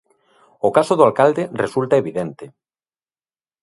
O caso do alcalde resulta evidente.